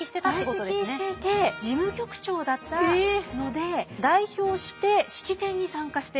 在籍していて事務局長だったので代表して式典に参加して。